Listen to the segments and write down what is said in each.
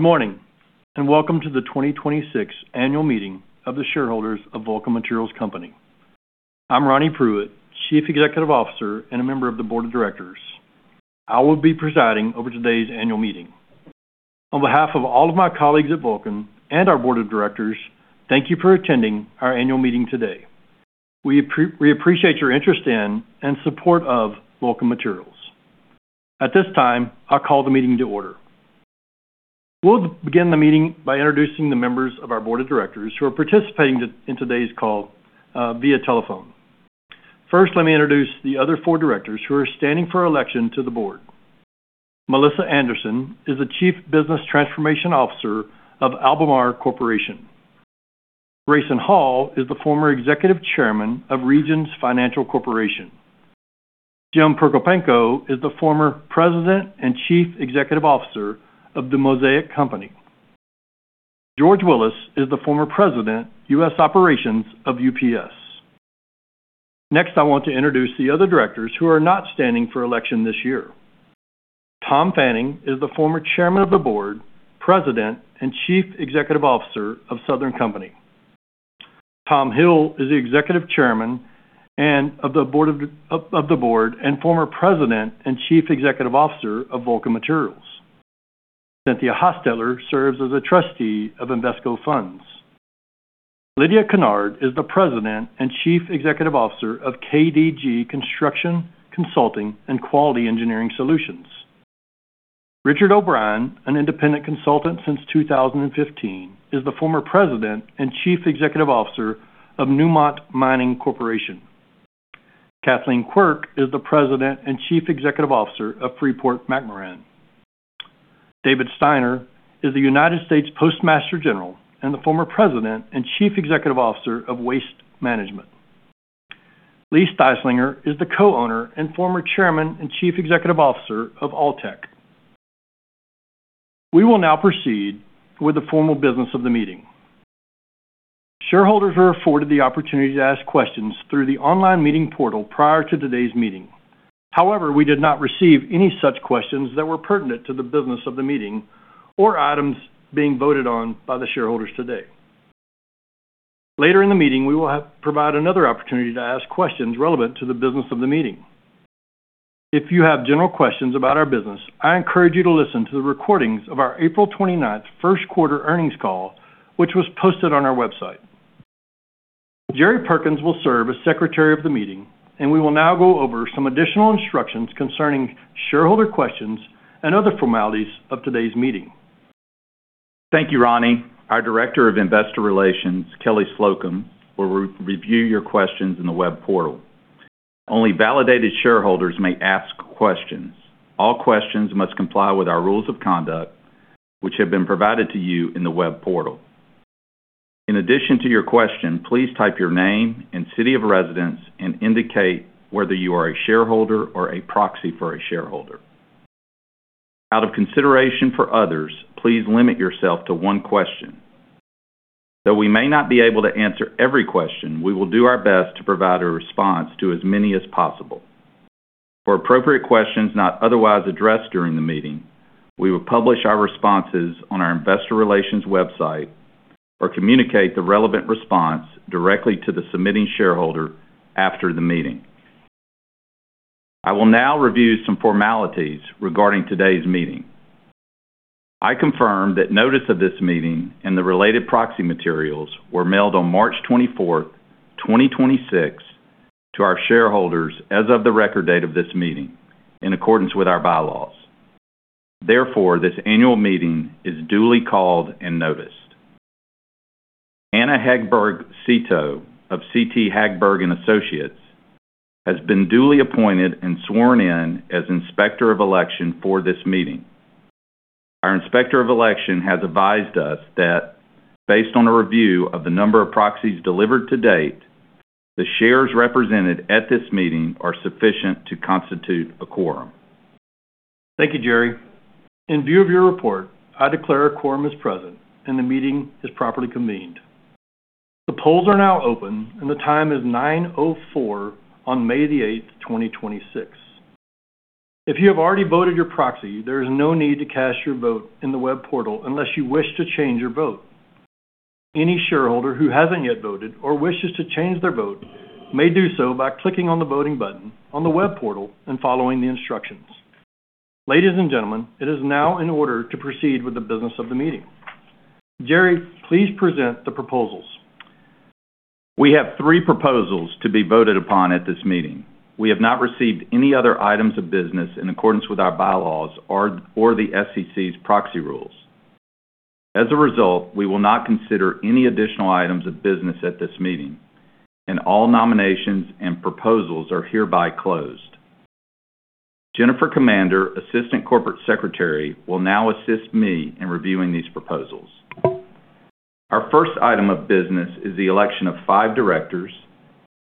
Good morning, welcome to the 2026 annual meeting of the shareholders of Vulcan Materials Company. I'm Ronnie Pruitt, Chief Executive Officer and a member of the board of directors. I will be presiding over today's annual meeting. On behalf of all of my colleagues at Vulcan and our board of directors, thank you for attending our annual meeting today. We appreciate your interest in and support of Vulcan Materials. At this time, I'll call the meeting to order. We'll begin the meeting by introducing the members of our board of directors who are participating in today's call via telephone. First, let me introduce the other four directors who are standing for election to the board. Melissa Anderson is the Chief Business Transformation Officer of Albemarle Corporation. Grayson Hall is the former Executive Chairman of Regions Financial Corporation. James Prokopanko is the former President and Chief Executive Officer of The Mosaic Company. George Willis is the former President, US Operations of UPS. Next, I want to introduce the other directors who are not standing for election this year. Thomas Fanning is the former Chairman of the Board, President and Chief Executive Officer of Southern Company. Thomas Hill is the Executive Chairman and of the Board and former President and Chief Executive Officer of Vulcan Materials Company. Cynthia Hostetler serves as a trustee of Invesco Funds. Lydia Kennard is the President and Chief Executive Officer of KDG Construction, Consulting, and Quality Engineering Solutions. Richard O'Brien, an independent consultant since 2015, is the former President and Chief Executive Officer of Newmont Mining Corporation. Kathleen Quirk is the President and Chief Executive Officer of Freeport-McMoRan. David Steiner is the United States Postmaster General and the former President and Chief Executive Officer of Waste Management. Lee Styslinger is the co-owner and former Chairman and Chief Executive Officer of Altec. We will now proceed with the formal business of the meeting. Shareholders were afforded the opportunity to ask questions through the online meeting portal prior to today's meeting. However, we did not receive any such questions that were pertinent to the business of the meeting or items being voted on by the shareholders today. Later in the meeting, we will provide another opportunity to ask questions relevant to the business of the meeting. If you have general questions about our business, I encourage you to listen to the recordings of our April 29th first quarter earnings call, which was posted on our website. Jerry Perkins will serve as Secretary of the meeting, and we will now go over some additional instructions concerning shareholder questions and other formalities of today's meeting. Thank you, Ronnie. Our Director of Investor Relations, Kelli Slocum, will re-review your questions in the web portal. Only validated shareholders may ask questions. All questions must comply with our rules of conduct, which have been provided to you in the web portal. In addition to your question, please type your name and city of residence and indicate whether you are a shareholder or a proxy for a shareholder. Out of consideration for others, please limit yourself to one question. We may not be able to answer every question, we will do our best to provide a response to as many as possible. For appropriate questions not otherwise addressed during the meeting, we will publish our responses on our investor relations website or communicate the relevant response directly to the submitting shareholder after the meeting. I will now review some formalities regarding today's meeting. I confirm that notice of this meeting and the related proxy materials were mailed on March 24, 2026 to our shareholders as of the record date of this meeting in accordance with our bylaws. This annual meeting is duly called and noticed. Anna Hagberg-Cito of Carl T. Hagberg & Associates has been duly appointed and sworn in as Inspector of Election for this meeting. Our Inspector of Election has advised us that based on a review of the number of proxies delivered to date, the shares represented at this meeting are sufficient to constitute a quorum. Thank you, Jerry. In view of your report, I declare a quorum is present and the meeting is properly convened. The polls are now open, and the time is 9:04 on May 8, 2026. If you have already voted your proxy, there is no need to cast your vote in the web portal unless you wish to change your vote. Any shareholder who hasn't yet voted or wishes to change their vote may do so by clicking on the voting button on the web portal and following the instructions. Ladies and gentlemen, it is now in order to proceed with the business of the meeting. Jerry, please present the proposals. We have three proposals to be voted upon at this meeting. We have not received any other items of business in accordance with our bylaws or the SEC's proxy rules. As a result, we will not consider any additional items of business at this meeting, and all nominations and proposals are hereby closed. Jennifer Commander, Assistant Corporate Secretary, will now assist me in reviewing these proposals. Our first item of business is the election of five directors,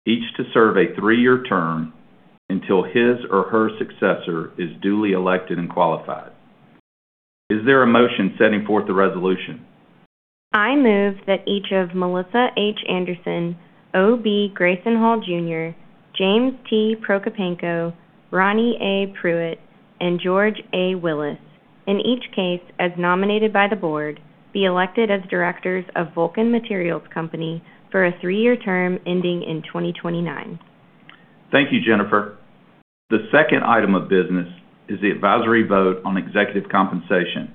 each to serve a three-year term until his or her successor is duly elected and qualified. Is there a motion setting forth the resolution? I move that each of Melissa H. Anderson, O.B. Grayson Hall Jr., James T. Prokopanko, Ronnie A. Pruitt, and George A. Willis, in each case as nominated by the Board, be elected as directors of Vulcan Materials Company for a three-year term ending in 2029. Thank you, Jennifer. The second item of business is the advisory vote on executive compensation,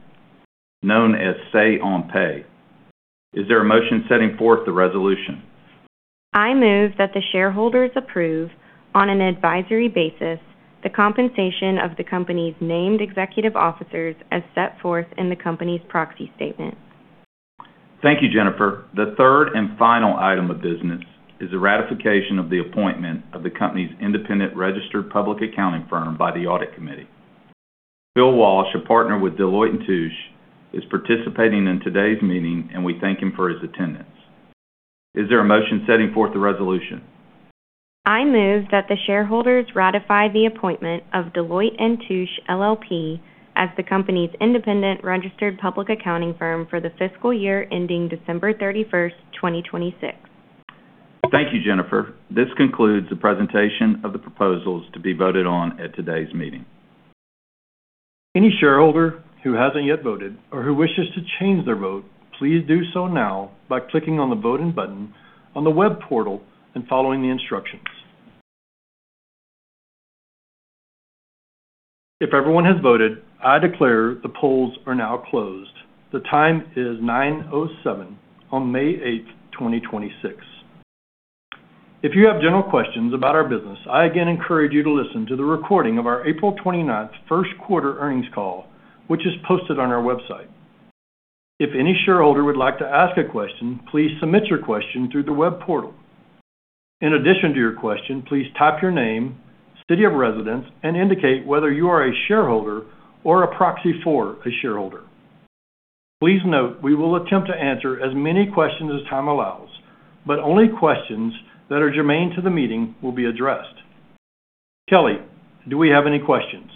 known as Say on Pay. Is there a motion setting forth the resolution? I move that the shareholders approve on an advisory basis the compensation of the company's named executive officers as set forth in the company's proxy statement. Thank you, Jennifer. The third and final item of business is the ratification of the appointment of the company's independent registered public accounting firm by the audit committee. Bill Walsh, a partner with Deloitte & Touche, is participating in today's meeting, and we thank him for his attendance. Is there a motion setting forth the resolution? I move that the shareholders ratify the appointment of Deloitte & Touche LLP as the company's independent registered public accounting firm for the fiscal year ending December 31st, 2026. Thank you, Jennifer. This concludes the presentation of the proposals to be voted on at today's meeting. Any shareholder who hasn't yet voted or who wishes to change their vote, please do so now by clicking on the voting button on the web portal and following the instructions. If everyone has voted, I declare the polls are now closed. The time is 9:07 A.M. on May 8th, 2026. If you have general questions about our business, I again encourage you to listen to the recording of our April 29th first quarter earnings call, which is posted on our website. If any shareholder would like to ask a question, please submit your question through the web portal. In addition to your question, please type your name, city of residence, and indicate whether you are a shareholder or a proxy for a shareholder. Please note we will attempt to answer as many questions as time allows, but only questions that are germane to the meeting will be addressed. Kelli, do we have any questions?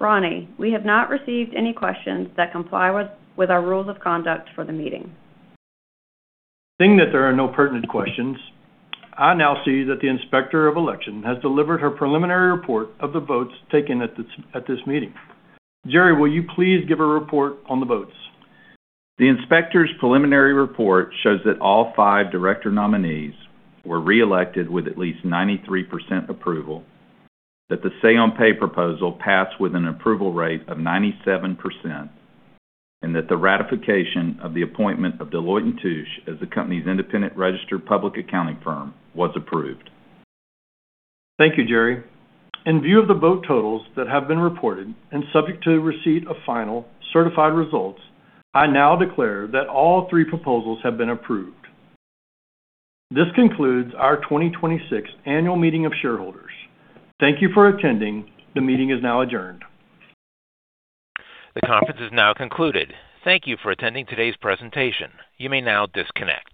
Ronnie, we have not received any questions that comply with our rules of conduct for the meeting. Seeing that there are no pertinent questions, I now see that the Inspector of Election has delivered her preliminary report of the votes taken at this meeting. Jerry, will you please give a report on the votes? The inspector's preliminary report shows that all five director nominees were reelected with at least 93% approval, that the Say on Pay proposal passed with an approval rate of 97%, and that the ratification of the appointment of Deloitte & Touche as the company's independent registered public accounting firm was approved. Thank you, Jerry. In view of the vote totals that have been reported and subject to the receipt of final certified results, I now declare that all three proposals have been approved. This concludes our 2026 annual meeting of shareholders. Thank you for attending. The meeting is now adjourned. The conference has now concluded. Thank you for attending today's presentation. You may now disconnect.